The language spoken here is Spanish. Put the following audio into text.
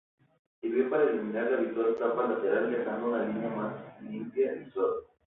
Sirvió para eliminar la habitual tapa lateral, dejando una línea más limpia y suave.